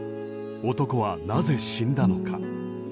男はなぜ死んだのか。